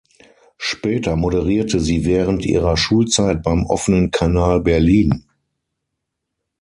Später moderierte sie während ihrer Schulzeit beim Offenen Kanal Berlin.